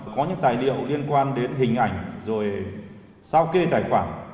có những tài liệu liên quan đến hình ảnh rồi sao kê tài khoản